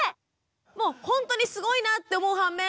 もうほんとにすごいなって思う反面